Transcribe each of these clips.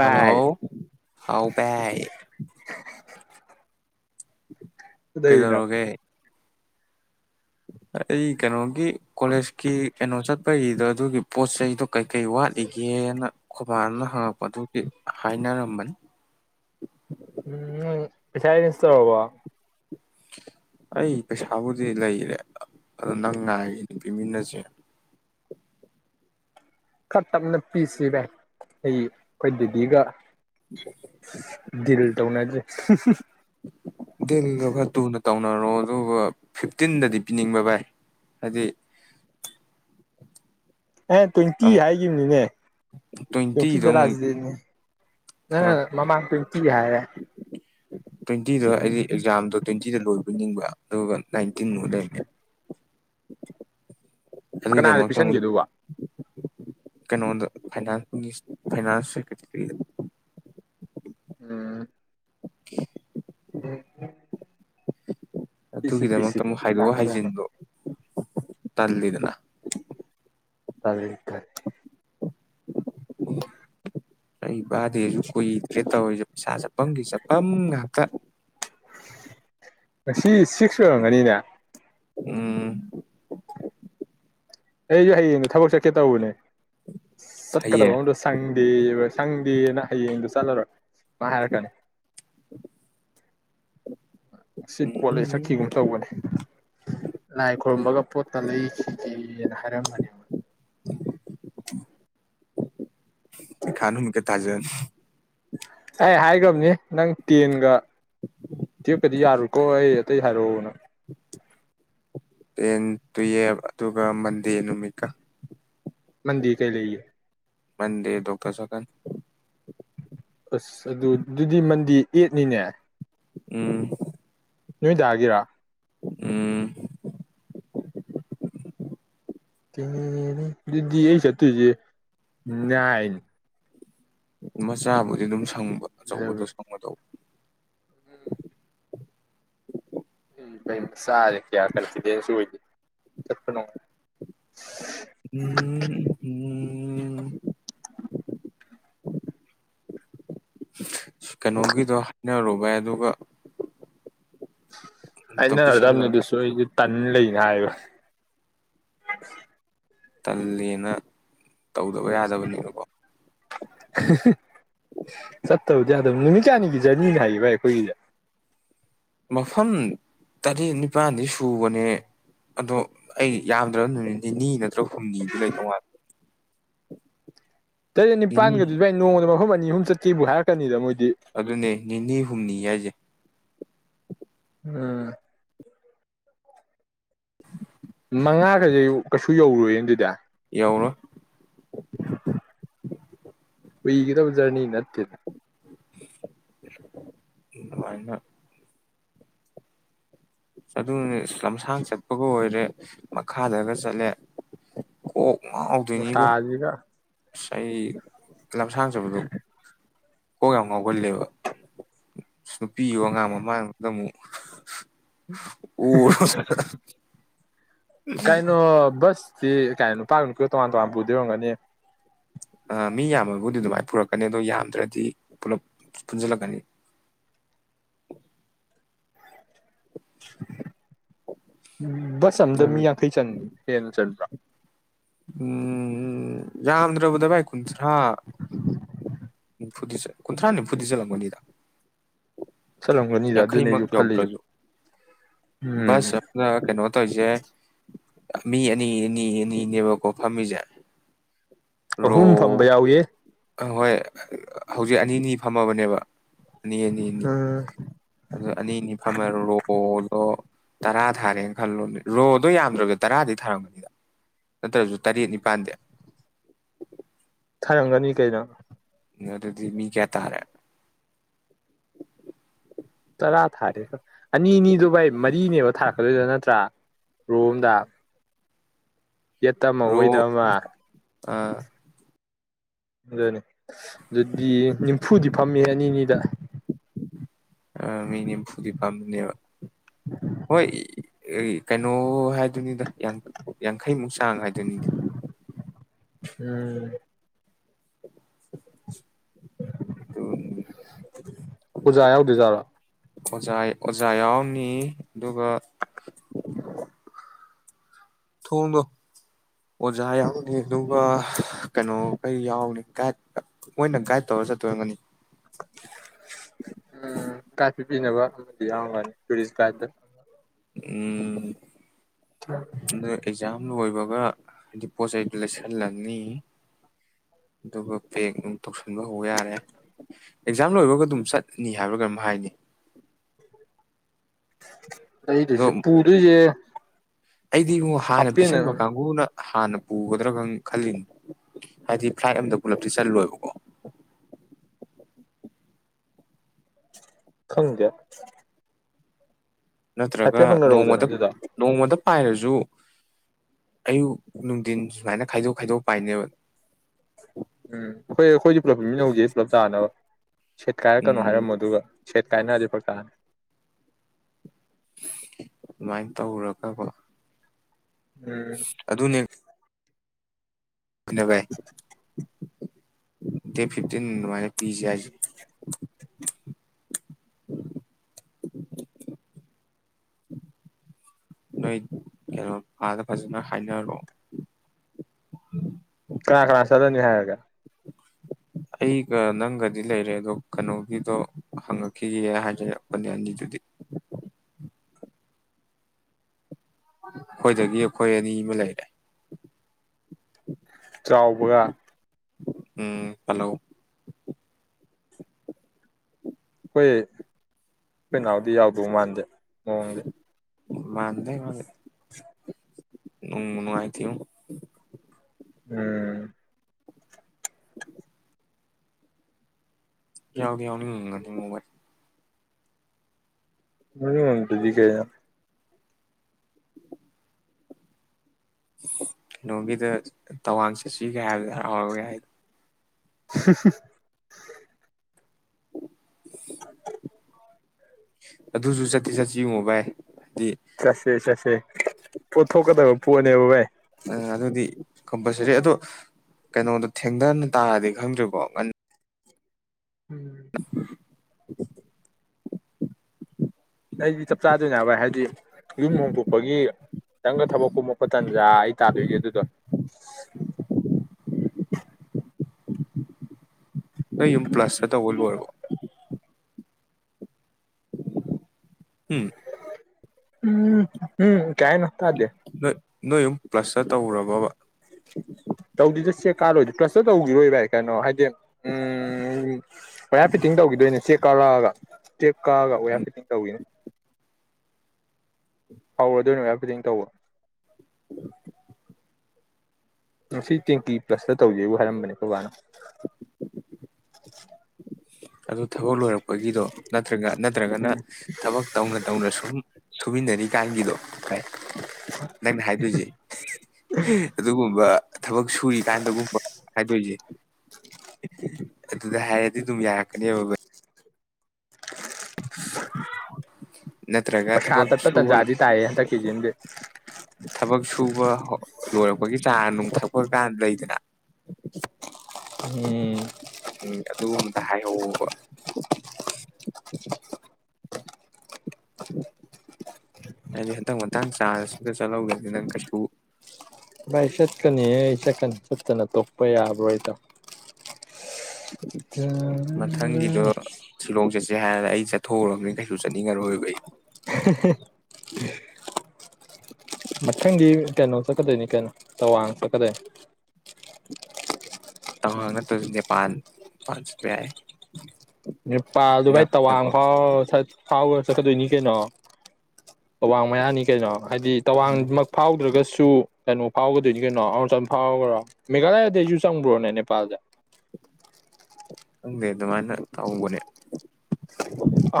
Hello ꯍꯥꯎꯚꯥꯏ꯫ ꯀꯩꯗꯧꯔꯤꯅꯣ ꯀꯩꯗꯧꯔꯒꯦ꯫ ꯑꯩ ꯀꯩꯅꯣꯒꯤ꯫ ꯀꯣꯂꯦꯖꯀꯤ ꯀꯩꯅꯣ ꯆꯠ꯫ ꯀꯔꯤꯗꯣ ꯑꯗꯨꯒꯤ ꯄꯣꯠ ꯆꯩꯗꯣ ꯀꯩꯀꯩ ꯋꯥꯠꯂꯤꯒꯦꯅ ꯈꯕꯥꯅ ꯍꯪꯉꯛꯄ ꯑꯗꯨꯒꯤ ꯍꯥꯏꯅꯔꯝꯕꯅꯤ꯫ ꯎꯝ ꯅꯪ ꯄꯩꯁꯥ ꯑꯦꯔ‌ꯦꯟꯁ ꯇꯧꯔꯕ꯭ꯔ‌ꯣ꯫ ꯑꯩ ꯄꯩꯁꯥꯕꯨꯗꯤ ꯂꯩꯔꯦ ꯑ ꯅꯪ ꯉꯥꯏꯔꯤꯅꯦ ꯄꯤꯃꯤꯟꯅꯁꯦ꯫ ꯈꯔ ꯇꯞꯅ ꯄꯤꯁꯤꯚꯥꯏ ꯑꯩ ꯑꯩꯈꯣꯏ ꯗꯦꯗꯤꯒ꯫ ꯗꯜ ꯇꯧꯅꯗ꯭ꯔꯤ꯫ ꯍꯨꯝ-ꯍꯨꯝ꯫ ꯗꯤꯜꯗꯨ ꯈꯔ ꯇꯨꯅ ꯇꯧꯅꯔꯣ ꯑꯗꯨꯒ ꯐꯤꯞꯇꯤꯟꯗꯗꯤ ꯄꯤꯅꯤꯡꯕ ꯚꯥꯏ ꯍꯥꯏꯗꯤ꯫ ꯑꯦ ꯇ꯭ꯋꯦꯟꯇꯤ ꯑꯃꯨꯛ ꯍꯥꯏꯒꯤꯈꯤꯕꯅꯤꯅꯦ ꯇ꯭ꯋꯦꯟꯇꯤ ꯇ꯭ꯋꯦꯟꯇꯤꯗꯣ ꯑꯃꯨꯛ ꯇꯔꯥꯁꯤꯗꯩꯅꯦ ꯅꯪ ꯐꯔꯛ ꯃꯃꯥꯡ ꯇ꯭ꯋꯦꯟꯇꯤ ꯍꯥꯏꯔꯦ ꯇ꯭ꯋꯦꯟꯇꯤꯗꯣ ꯑꯩꯗꯤ ꯑꯦꯛꯖꯥꯝꯗꯣ ꯇ꯭ꯋꯦꯟꯇꯤ ꯁꯤꯗ ꯂꯣꯏꯕꯣꯏ ꯅꯤꯡꯕ ꯑꯗꯨꯒ ꯅꯥꯏꯟꯇꯤꯟ ꯅꯣ ꯂꯩ ꯀꯅꯥꯗ ꯑꯗꯨꯒꯤꯗꯃꯛꯇ ꯑꯃꯨꯛ ꯄꯤꯁꯟꯒꯦꯗꯨꯕ ꯀꯩꯅꯣꯗ ꯐꯅꯥꯟ ꯐꯥꯏꯅꯥꯟꯁ ꯁꯦꯀ꯭ꯔꯦꯇꯔꯤꯗ ꯎꯝ [unintelligible] [unintelligible] ꯄꯤꯁꯤ ꯄꯤꯁꯤ ꯑꯗꯨꯒꯤꯗꯃꯛꯇ ꯑꯃꯨꯛ ꯍꯥꯏꯗꯣꯛꯑꯣ ꯌꯥꯅꯕ ꯌꯥꯅꯕ ꯍꯥꯏꯖꯤꯟꯗꯣ ꯇꯜꯗꯤꯅ [unintelligible] [unintelligible] ꯕꯥꯔꯗꯦꯁꯨ ꯀꯨꯏꯗ꯭ꯔꯦ ꯇꯧꯔꯤꯁꯦ ꯄꯩꯁꯥ ꯆꯠꯐꯝꯒꯤ ꯆꯠꯐꯝ ꯉꯥꯛꯇ ꯉꯁꯤ ꯁꯤꯛꯁ ꯑꯣꯏꯔꯝꯒꯅꯤꯅꯦ ꯎꯝ ꯑꯩꯁꯨ ꯍꯌꯦꯡ ꯊꯕꯛ ꯆꯠꯀꯦ ꯇꯧꯕꯅꯦ ꯆꯠꯀꯗꯕ ꯍꯌꯦꯡ ꯑꯝꯗꯣ ꯁꯪꯗꯦꯕ [unintelligible] ꯍꯌꯦꯡꯗꯨ ꯆꯠꯂꯔꯣꯏ ꯃꯥ ꯍꯥꯏꯔꯛꯀꯅꯤ ꯑꯁꯤ ꯄꯣꯠꯂ ꯆꯛꯈꯤꯒꯨꯝ ꯇꯧꯕꯅꯤ ꯂꯥꯏ ꯈꯨꯔꯨꯝꯕꯒ ꯄꯣꯠꯀ ꯂꯩꯈꯤꯒꯦꯅ ꯍꯥꯏꯔꯝꯕꯅꯦ ꯄꯩꯉꯥ ꯅꯨꯃꯤꯠꯀ ꯇꯥꯖ [unintelligible] ꯑꯩ ꯍꯥꯏꯈ꯭ꯔꯕꯅꯤ ꯅꯪ ꯇꯦꯟꯒ ꯇꯨꯌꯦꯞꯀꯗꯤ ꯌꯥꯔꯨꯀꯣ ꯑꯩ ꯑꯇꯩ ꯍꯥꯏꯔꯛꯎ ꯅ ꯇꯦꯟ ꯇꯨꯌꯦꯜꯐ ꯑꯗꯨꯒ ꯃꯟꯗꯦ ꯅꯨꯃꯤꯠꯀ ꯃꯟꯗꯦ ꯀꯩ ꯂꯩꯒꯦ ꯃꯟꯗꯦ ꯗꯣꯛꯇ ꯆꯠꯀꯅꯤ ꯑꯁ ꯑꯗꯨ ꯑꯗꯨꯗꯤ ꯃꯟꯗꯦ ꯑꯦꯠꯅꯤꯅꯦ ꯎꯝ ꯅꯣꯏꯗꯥꯒꯤꯔ ꯎꯝ [unintelligible] ꯗꯨꯗꯤ ꯑꯩ ꯆꯠꯇꯣꯏꯖꯦ ꯅꯥꯏꯟ ꯃꯆꯥꯕꯨꯗꯤ ꯑꯗꯨꯝ ꯁꯪꯕ ꯑꯆꯧꯕꯗꯣ ꯑꯦꯂꯚꯦꯟ ꯁꯪꯉꯣꯏꯗꯧꯕ ꯏꯕꯩ ꯆꯠꯅꯣ ꯎꯝ ꯎꯝ ꯀꯩꯅꯣꯒꯤꯗꯣ ꯍꯥꯏꯅꯔꯨꯕꯏ ꯑꯗꯨꯒ ꯑꯝꯇ ꯍꯥꯏꯅ ꯔꯗꯝꯅꯤ ꯄꯤꯁꯜꯂꯒ ꯑꯗꯨꯁꯨ ꯑꯩꯗꯤ ꯇꯟ ꯂꯩꯅꯦ ꯍꯥꯏꯕ ꯇꯜꯂꯦꯅ ꯇꯧꯗꯕ ꯌꯥꯗꯕꯅꯦꯕꯀꯣ ꯆꯠꯇꯕꯗꯤ ꯌꯥꯗꯕ ꯅꯨꯃꯤꯠ ꯀꯌꯥꯅꯤꯒꯤ ꯖꯔꯅꯤꯅꯤ ꯍꯥꯏꯒꯦ ꯚꯥꯏ ꯑꯩꯈꯣꯏꯒꯤꯁꯦ ꯃꯐꯝ ꯇꯔꯦꯠ ꯅꯤꯄꯥꯜꯗꯤ ꯁꯨꯕꯅꯦ ꯑꯗꯣ ꯑꯩ ꯌꯥꯝꯗ꯭ꯔꯕ ꯅꯨꯃꯤꯠ ꯅꯤꯅꯤ ꯅꯠꯇ꯭ꯔꯒ ꯍꯨꯝꯅꯤꯗꯤ ꯂꯩꯗꯧ ꯃꯥꯜꯂꯦ ꯀꯩꯅꯣ ꯅꯤꯄꯥꯟ ꯅꯤꯅꯤ ꯒꯗꯨꯗꯤ ꯚꯥꯏ ꯅꯣꯡꯃꯗ ꯃꯐꯝ ꯑ ꯑꯍꯨꯝ ꯆꯠꯀꯦꯕꯨ ꯍꯥꯏꯔꯛꯀꯅꯤꯗ ꯃꯣꯏ ꯑꯗꯨꯅꯦ ꯅꯤꯅꯤ ꯍꯨꯝꯅꯤ ꯍꯥꯏꯖꯦ ꯎꯝ [unintelligible] ꯃꯉꯥꯒꯁꯦ ꯀꯩꯁꯨ ꯌꯧꯔꯣꯏꯅꯦ ꯑꯗꯨꯗꯤ ꯌꯧꯔꯣꯏ ꯀꯨꯏꯒꯗꯕ ꯖ꯭ꯔꯅꯤ ꯅꯠꯇꯦꯗ [inaudible] ꯑꯗꯨꯅꯦ ꯂꯝꯁꯥꯡ ꯆꯠꯄꯒ ꯑꯣꯏꯔꯦ ꯃꯈꯥꯗꯒ ꯆꯠꯂꯦ ꯀꯣꯛ [inaudible] ꯉꯥꯎꯗꯣꯏꯅꯤꯕꯣ ꯁꯥꯥꯖꯤꯒ ꯑꯩ ꯂꯝꯁꯥꯡꯆꯠ ꯑꯗꯨ ꯀꯣꯛ ꯌꯥꯝ ꯉꯥꯎꯒꯜꯂꯦꯕ ꯅꯨꯄꯤ ꯑꯉꯥꯡ ꯃꯃꯥꯡꯗꯨꯗ ꯑꯃꯨꯛ ꯑꯣ [inaudible] ꯀꯥꯏꯅꯣ ꯕꯁ ꯁꯤ ꯀꯩ ꯅꯨꯄꯒ ꯅꯨꯄꯤꯒ ꯇꯣꯉꯥꯟ ꯇꯣꯉꯥꯟ ꯄꯨꯗꯩ ꯑꯣꯏꯔꯝꯒꯅꯤ ꯃꯤ ꯌꯥꯝꯃꯕꯨꯗꯤ ꯑꯗꯨꯃꯥꯏꯅ ꯄꯨꯔꯛꯀꯅꯤ ꯑꯗꯣ ꯌꯥꯝꯗ꯭ꯔꯗꯤ ꯄꯨꯂꯞ ꯄꯨꯟꯁꯤꯜꯂꯛꯀꯅꯤ [unintelligible] ꯕꯁ ꯑꯃꯗ ꯃꯤ ꯌꯥꯡꯈꯩ ꯆꯟ ꯍꯦꯟꯅ ꯆꯟꯕ꯭ꯔꯣ ꯎꯝ ꯌꯥꯝ ꯗꯥꯔꯕꯗ ꯚꯥꯏ ꯀꯨꯟꯊ꯭ꯔꯥ ꯐꯨꯗꯤ ꯀꯨꯟꯊ꯭ꯔꯥ ꯅꯤꯝꯐꯨꯗꯤ ꯆꯠꯂꯝꯒꯅꯤꯗ ꯆꯂꯝꯒꯅꯤꯗ ꯑꯗꯨꯅꯦ ꯌꯥꯡꯈꯩꯃꯛ ꯑꯩꯁꯨ ꯈꯜꯂꯤꯁꯦ ꯌꯧꯗ꯭ꯔꯁꯨ ꯎꯝ ꯕꯁ ꯑꯃꯅ ꯀꯩꯅꯣ ꯇꯧꯔꯤꯁꯦ ꯃꯤ ꯑꯅꯤ ꯑꯅꯤ ꯑꯅꯤꯅꯦꯕ ꯀꯣ ꯐꯝꯃꯤꯖꯦ ꯑꯍꯨꯝ ꯐꯝꯕ ꯌꯥꯎꯋꯦꯍꯦ ꯑꯍꯣꯏ ꯍꯧꯖꯤꯛ ꯑꯅꯤꯅꯤ ꯐꯝꯃꯕꯅꯦꯕ ꯑꯅꯤ ꯑꯅꯤꯅꯤ ꯎꯝ ꯑꯗꯨ ꯑꯅꯤ ꯑꯅꯤ ꯐꯝꯃ ꯔꯣꯗꯣ ꯇꯔꯥ ꯊꯥꯔꯦꯅ ꯈꯜꯂꯣꯅꯦ ꯔꯣꯗꯣ ꯌꯥꯝꯗ꯭ꯔꯕꯗ ꯇꯔꯥꯗꯤ ꯊꯥꯔꯝꯒꯅꯤꯗ ꯅꯠꯇ꯭ꯔꯁꯨ ꯇꯔꯦꯠ ꯅꯤꯄꯥꯜꯗꯤ ꯊꯔꯝꯒꯅꯤ ꯀꯩꯅꯣ ꯑꯗꯨꯗꯤ ꯃꯤ ꯀꯌꯥ ꯇꯥꯔꯦ ꯇꯔꯥ ꯊꯥꯔꯦꯗ ꯑꯅꯤꯅꯤꯗꯨ ꯕꯥꯏ ꯃꯔꯤꯅꯦꯕ ꯊꯥꯔꯛ ꯑꯗꯨꯗꯤ ꯅꯠꯇ꯭ꯔ ꯔꯣ ꯑꯃꯗ ꯌꯦꯠꯇ ꯑꯃ ꯑꯣꯏꯗ ꯑꯃ ꯑꯥ ꯑꯗꯨꯅꯤ ꯑꯗꯨꯗꯤ ꯅꯤꯝꯐꯨꯗꯤ ꯐꯝꯃꯤ ꯑꯅꯤꯅꯤꯗ ꯑ ꯃꯤ ꯅꯤꯐꯨꯗꯤ ꯐꯝꯅꯦ ꯍꯣꯏ ꯎꯝ ꯀꯩꯅꯣ ꯍꯥꯏ ꯑꯗꯨꯅꯤꯗ ꯌꯥꯡꯈꯩꯃꯨꯛ ꯆꯥꯡ ꯍꯥꯏꯗꯨꯅꯤꯗ ꯎꯝ ꯇꯨ ꯄꯨꯖꯥ ꯌꯥꯎꯗꯖꯥꯔꯣ ꯑꯣꯖꯥ ꯑꯣꯖꯥ ꯌꯥꯎꯅꯤ ꯑꯗꯨꯒ ꯊꯣꯡꯗꯣ ꯑꯣꯖꯥ ꯌꯥꯎꯅꯤ ꯑꯗꯨꯒ ꯀꯩꯅꯣꯈꯩ ꯌꯥꯎꯅꯤ ꯒ ꯃꯣꯏꯅ ꯒꯥꯏꯗ ꯇꯧꯔ ꯆꯠꯇꯣꯏꯔꯝꯅꯤ ꯎꯝ ꯒꯥꯢꯠ ꯄꯤꯅꯕ ꯑꯃꯗꯤ ꯌꯥꯎꯒꯔꯅꯤ ꯇꯨꯔꯤꯁ ꯒꯥꯏꯗꯠꯇ ꯎꯝ ꯑ ꯑꯦꯛꯖꯥꯝ ꯂꯣꯏꯕꯒ ꯍꯥꯏꯗꯤ ꯄꯣꯠ ꯆꯩꯗ ꯂꯩꯁꯜꯂꯅꯤ ꯑꯗꯨꯒ ꯄꯦꯛ ꯑꯗꯨ ꯇꯧꯁꯟꯕ ꯍꯧꯕ ꯌꯥꯔꯦ ꯑꯦꯛꯖꯥꯝ ꯂꯣꯏꯕꯒ ꯑꯗꯨꯝ ꯆꯠꯅꯤ ꯍꯥꯏꯕꯥ ꯀꯔꯤꯝ ꯍꯥꯏꯅꯤ [unintelligible] ꯑꯩꯗꯨꯁꯨ ꯄꯨꯗꯣꯏꯁꯦ ꯑꯩꯗꯤꯉꯣ ꯍꯥꯟꯅ ꯍꯥꯞꯄꯦꯟꯅ ꯄꯤꯁꯟꯕ ꯀꯥꯡꯕꯨꯅ ꯍꯥꯟꯅ ꯄꯨꯒꯗ꯭ꯔꯥꯒ ꯈꯜꯂꯤꯅꯤ ꯍꯥꯏꯗꯤ ꯐ꯭ꯂꯥꯏꯠ ꯑꯝꯗ ꯄꯨꯂꯞꯇꯤ ꯆꯜꯂꯣꯏꯕꯀꯣ ꯈꯪꯗꯦ ꯅꯠꯇ꯭ꯔꯒ ꯍꯥꯏꯐꯦꯠ ꯍꯪꯅꯔꯧꯗꯅ ꯅꯣꯡꯃꯗ ꯑꯗꯨꯗ ꯅꯣꯡꯃꯗ ꯄꯥꯏꯔꯁꯨ ꯑꯌꯨꯛ ꯅꯨꯡꯊꯤꯜ ꯁꯨꯃꯥꯏꯅ ꯈꯥꯏꯗꯣꯛ ꯈꯥꯏꯗꯣꯛ ꯄꯥꯏꯅꯦꯕ ꯎꯝ ꯑꯩꯈꯣꯏ ꯑꯩꯈꯣꯏꯗꯤ ꯄꯨꯂꯞ ꯄꯨꯟꯃꯤꯅ ꯍꯧꯁꯦ ꯄꯨꯂꯞ ꯆꯥꯅꯕ ꯁꯦꯠ ꯀꯥꯏꯔꯛꯀꯅꯣ ꯎꯝ ꯍꯥꯏꯔꯝꯃꯣ ꯑꯗꯨꯒ ꯁꯦꯠ ꯀꯥꯏꯅꯔꯗꯤ ꯐꯔꯛ ꯇꯥꯅꯤ [unintelligible] ꯑꯗꯨꯃꯥꯏꯅ ꯇꯧꯔꯒꯀꯣ ꯎꯝ ꯑꯗꯣ ꯕꯥꯢ ꯗꯦꯠ ꯐꯤꯞꯇꯤꯟ ꯑꯗꯨꯃꯥꯏꯅ ꯄꯤꯖꯦ ꯍꯥꯏꯖꯤꯅꯦ ꯅꯣꯏ ꯀꯩꯅꯣ ꯄꯥꯥꯗ ꯐꯖꯅ ꯍꯥꯏꯅꯔꯣ ꯀ ꯀ꯭ꯔ ꯆꯗꯅꯅꯤ ꯍꯥꯏ [inaudible] ꯑꯩꯒ ꯅꯪꯒꯗꯤ ꯂꯩꯔꯦ ꯑꯗꯣ ꯀꯩꯅꯣꯒꯤꯗꯣ ꯍꯪꯉꯛꯈꯤꯒꯦ ꯍꯥꯏꯖꯔꯦ ꯄꯣꯗꯌꯥꯟꯒꯤꯗꯨꯗꯤ ꯑꯩꯈꯣꯏꯗꯒꯤ ꯑꯩꯈꯣꯏ ꯑꯅꯤ ꯑꯃ ꯂꯩꯔꯦ ꯆꯥꯎꯕꯒ ꯎꯝ ꯍꯦꯜꯂꯣ ꯍꯣꯏ ꯄꯅꯎꯗꯤ ꯌꯥꯎ ꯕꯃꯥꯟꯗꯦ ꯑ ꯎꯝ ꯃꯗ ꯃꯥ ꯅꯨꯡ ꯅꯨꯡꯉꯥꯏ ꯇꯨ ꯎꯝ ꯌꯥꯎꯗꯤ ꯌꯥꯎꯅꯤꯡ ꯃꯣꯕꯥꯏꯜ ꯎꯇꯗꯤ ꯀ ꯀꯩꯅꯣꯒꯤꯗ ꯇꯋꯥꯡ ꯆꯠꯁꯤꯒꯩ ꯍꯥꯏꯕꯗ ꯍꯔꯥꯎꯔꯒꯦ ꯍꯥꯏꯗꯣ [inaudible] ꯑꯗꯨꯁꯨ ꯆꯠꯁꯤ ꯆꯠꯁꯤ ꯌꯦꯡꯉꯣ ꯚꯥꯏ ꯍꯥꯏꯗꯤ ꯁꯠꯁꯦ ꯁꯠꯁꯦ ꯄꯣꯠꯊꯣꯛꯀꯗꯕ ꯄꯣꯠꯅꯦꯕ ꯚꯥꯏ ꯑꯗꯨꯗꯤ ꯀꯝꯄꯜꯁꯔꯤ ꯑꯗꯣ ꯀꯩꯅꯣꯗꯣ ꯊꯦꯡꯊꯅ ꯇꯥꯔꯗꯤ ꯈꯪꯗ꯭ꯔꯤꯕꯣ ꯉ ꯎꯝ ꯑꯩꯗꯤ ꯆꯞ ꯆꯥꯗꯅꯦ ꯍꯥꯏ ꯚꯥꯏ ꯍꯥꯏꯗꯤ ꯌꯨꯝ ꯍꯣꯡꯗꯣꯛꯄꯒꯤ ꯈꯤꯇꯪꯒ ꯊꯕꯛ ꯀꯨꯝꯃꯛꯄ ꯇꯟꯖꯥ ꯑꯩ ꯇꯥꯗꯣꯏꯒꯦ ꯑꯗꯨꯗꯣ ꯅꯣꯏ ꯌꯨꯝ ꯄ꯭ꯂꯁꯇ ꯇꯧꯕ ꯂꯣꯏꯔꯕꯣ ꯎꯝ ꯎꯝ ꯍꯝ ꯀꯌꯥꯏ ꯅ ꯊꯗꯦ ꯅꯣꯏ ꯅꯣꯏ ꯌꯨꯝ ꯄ꯭ꯂꯁꯇ ꯇꯧꯔꯕꯕ ꯀꯥꯂꯣꯏꯗꯤ ꯄ꯭ꯂꯁꯇ ꯇꯧꯈꯤꯔꯣꯏ ꯚꯏ ꯀꯩꯅꯣ ꯍꯥꯏꯗꯤ ꯎꯝ ꯄꯨꯔꯥ ꯐꯤꯠꯇꯤꯡ ꯇꯧꯈꯤꯗꯣꯏꯅꯦ ꯆꯦꯛ ꯀꯧꯔꯛꯑꯒ ꯀꯥꯒ ꯑꯣꯌꯥ ꯎꯝ ꯐꯤꯠꯇꯤꯡ ꯇꯧꯋꯤꯅꯦ ꯍꯧꯔꯣ ꯑꯗꯨꯏ ꯅꯨꯅꯨꯡ ꯍꯥꯏꯥꯏꯐꯗꯤꯡ ꯇꯧꯕ [inaudible] ꯃꯁꯤ ꯇꯦꯡꯀꯤ ꯄ꯭ꯂꯁꯇ ꯇꯧꯒꯦꯕꯨ ꯍꯥꯏꯔꯝꯕꯅꯦ ꯕꯥꯅ ꯑꯗꯨ ꯊꯕꯛ ꯂꯣꯏꯔꯛꯄꯒꯤꯗꯣ ꯅꯠꯇ꯭ꯔꯒ ꯅꯠꯇ꯭ꯔꯒꯅ ꯎꯝ ꯊꯕꯛ ꯇꯧꯅ ꯇꯧꯅ ꯁꯨꯝ ꯁꯨꯃꯤꯟꯅꯔꯤꯀꯥꯟꯒꯤꯗꯣ ꯍꯥꯏ ꯅꯪꯅ ꯍꯥꯏꯗꯣꯏꯁꯦ ꯑꯗꯨꯒꯨꯝꯕ ꯊꯕꯛ ꯁꯨꯔꯤ ꯀꯥꯟꯗꯒꯨꯝꯕ ꯍꯥꯏꯗꯣꯏꯁꯦ꯫ ꯑꯗꯨꯗ ꯍꯥꯏꯔꯗꯤ ꯑꯗꯨꯝ ꯌꯥꯔꯛꯀꯅꯦꯕ [inaudible] ꯊꯕꯛ ꯄꯩꯁꯥꯇꯠꯇ ꯁꯨꯕ ꯇꯖꯥꯗꯤ ꯇꯥꯌꯦ ꯍꯟꯗꯛꯀꯤ ꯁꯤꯝꯗꯤ꯫ ꯊꯕꯛ ꯁꯨꯕ ꯍꯧ ꯂꯣꯏꯔꯛꯄꯒꯤ ꯆꯥ ꯅꯨꯡꯊꯛꯄ ꯀꯥꯟ ꯂꯩꯗꯅ ꯎꯝ ꯎꯝ ꯑꯗꯨꯒꯨꯝꯕꯗ ꯍꯥꯏꯍꯧ ꯑꯣꯕ ꯍꯥꯏꯗꯤ ꯍꯟꯇꯛ ꯃꯇꯥꯡ ꯆꯥꯟꯁꯁꯤꯗ ꯆꯠꯍꯧꯗ꯭ꯔꯗꯤ ꯅꯪ ꯀꯩꯁꯨ ꯚꯥꯏ ꯆꯠꯀꯅꯤꯍꯦ ꯑꯩ ꯆꯠꯀꯅꯤ ꯆꯠꯇꯅ ꯇꯣꯛꯄ ꯌꯥꯕ꯭ꯔꯣꯏꯇ ꯇꯔꯥ ꯔꯥ ꯔ ꯑꯩ ꯍꯥꯏꯔ ꯑꯩ ꯆꯠꯊꯣꯛꯎꯔꯕꯅꯤꯅ ꯀꯩꯁꯨ ꯆꯠꯅꯤꯡꯉꯔꯣꯏꯕ ꯑꯩ꯫ ꯑꯍꯦ ꯍꯦ ꯍ ꯃꯊꯪꯒꯤ ꯀꯩꯅꯣ ꯆꯠꯀꯗꯣꯏꯅꯤ ꯀꯩꯅꯣ ꯇꯋꯥꯡ ꯆꯠꯀꯗꯣꯏ ꯇꯋꯥꯡ ꯅꯠꯇ꯭ꯔꯁꯨ ꯅꯦꯄꯥꯟ ꯅꯦꯄꯥꯟ ꯆꯠꯄ ꯌꯥꯏꯌꯦ꯫ ꯅꯦꯄꯥꯜꯗꯨ ꯚꯥꯏ ꯇꯋꯥꯡ ꯐꯥꯎꯔ ꯆꯠ ꯐꯥꯎꯔ ꯆꯠꯀꯥꯗꯣꯏꯅꯤ ꯀꯩꯅꯣ ꯇꯋꯥꯡ ꯃꯌꯥꯅꯤ ꯀꯩꯅꯣ ꯍꯥꯏꯗꯤ ꯇꯋꯥꯡꯃꯛ ꯐꯥꯎꯗ꯭ꯔꯒꯁꯨ ꯁꯨ ꯀꯩꯅꯣ ꯐꯥꯎꯒꯗꯣꯏꯅꯤ ꯀꯩꯅꯣ ꯑꯔꯨꯅꯆꯜ ꯐꯥꯎꯈ꯭ꯔꯣ ꯃꯦꯘꯥꯂꯌꯥꯗꯩꯁꯨ ꯆꯪꯕ꯭ꯔꯣꯅꯦ ꯅꯦꯄꯥꯜꯁꯦ ꯈꯪꯗꯦ ꯑꯗꯨꯃꯥꯏꯅ ꯇꯧꯕꯅꯦ꯫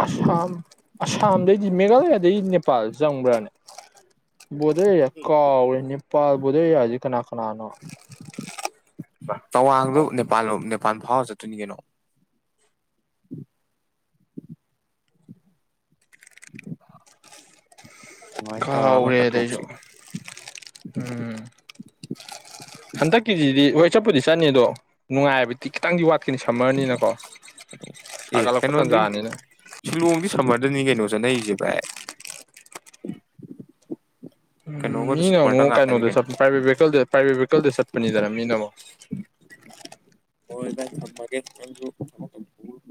ꯑꯁꯥꯝ ꯑꯁꯥꯝꯗꯩꯗꯤ ꯃꯦꯘꯥꯂꯌꯥꯗꯩ ꯅꯦꯄꯥꯜ ꯆꯪꯕ꯭ꯔꯥꯅꯦ ꯚꯣꯗꯔ ꯑꯦꯔꯤꯌꯥ ꯀꯥꯎꯈ꯭ꯔꯦ ꯅꯦꯄꯥꯜ ꯚꯣꯗꯔ ꯑꯦꯔꯤꯌꯥꯁꯦ ꯀꯅꯥ ꯀꯅꯥꯅꯣ꯫ ꯇꯋꯥꯡꯗꯨ ꯅꯦꯄꯥꯜ ꯅꯦꯄꯥꯟ ꯐꯥꯎꯔ ꯆꯠ ꯇꯨꯟꯅꯤꯒꯅꯣ [inaudible] ꯑꯗꯨꯃꯥꯏꯅ ꯇꯧꯔꯒ ꯑꯃ ꯀꯥꯎꯒ꯭ꯔꯦꯗ ꯑꯩꯁꯨ ꯆꯠꯊꯣꯛꯁꯤ ꯎꯝ ꯍꯟꯗꯛꯀꯤꯁꯤꯗꯤ ꯍꯣꯏ ꯆꯠꯄꯨꯗꯤ ꯆꯠꯅꯤ ꯑꯗꯣ ꯅꯨꯡꯉꯥꯏꯕꯗꯤ ꯈꯤꯇꯪꯗꯤ ꯋꯥꯠ ꯈꯤꯅꯤ ꯁꯝꯃꯔꯅꯤꯅꯀꯣ ꯑꯦ ꯁꯥꯒꯠꯂꯛꯄ ꯀꯩꯅꯣꯗꯤ ꯇꯥꯟꯖꯥꯅꯤꯅ꯫ ꯁꯤꯂꯣꯡꯗꯤ ꯁꯝꯃꯔꯗꯅꯤ ꯀꯣꯅꯣ ꯆꯠꯅꯩꯁꯦ ꯚꯥꯏ꯫ ꯎꯝ ꯀꯩꯅꯣꯒꯗꯣ ꯃꯤꯅ ꯁꯝꯃꯔꯗ ꯑꯃꯨꯛ ꯉꯥꯛꯇꯅꯤ ꯀꯩꯅꯣꯗ ꯀꯩꯅꯣ ꯆꯠꯄ ꯄ꯭ꯔꯥꯏꯚꯦꯠ ꯚꯦꯗ ꯄ꯭ꯔꯥꯏꯚꯦꯠ ꯚꯦꯀꯜꯗ ꯆꯠꯄꯅꯤꯗꯅ ꯃꯤꯅ ꯑꯃꯨꯛ꯫ ꯍꯣꯏ ꯚꯥꯏ ꯊꯝꯃꯒꯦ ꯅꯣꯁꯨ ꯊꯕꯛ ꯇꯧꯖꯧꯔꯣ꯫